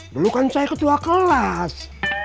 dulu kan saya ketua kelas